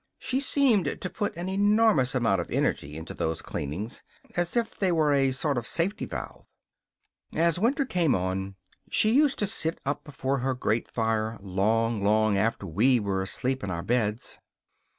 She seemed to put an enormous amount of energy into those cleanings as if they were a sort of safety valve. As winter came on she used to sit up before her grate fire long, long after we were asleep in our beds.